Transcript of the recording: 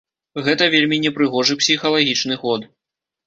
Гэта вельмі непрыгожы псіхалагічны ход.